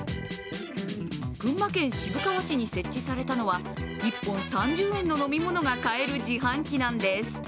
群馬県渋川市に設置されたのは１本３０円の飲み物が買える自販機なんです。